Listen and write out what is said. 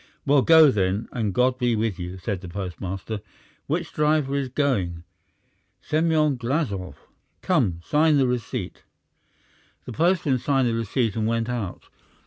"Well, go then, and God be with you," said the postmaster. "Which driver is going?" "Semyon Glazov." "Come, sign the receipt." The postman signed the receipt and went out.